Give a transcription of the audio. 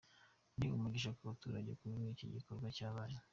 Ni umugisha ku baturage kuba iki gikorwa cyabaye.